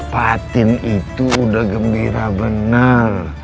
patin itu udah gembira benar